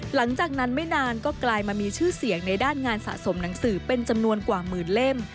หลังจากนั้นไม่นานก็กลายมามีชื่อเสียงในด้านงานสะสมหนังสือเป็นจำนวนกว่าหมื่นเล่ม